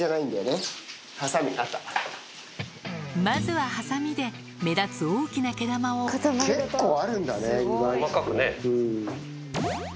まずはハサミで目立つ大きな毛玉を細かくね。